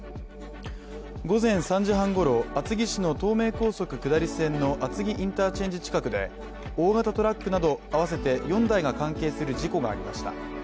午前３時半ごろ、厚木市の東名高速下り線の厚木インターチェンジ近くで大型トラックなど合わせて４台が関係する事故がありました。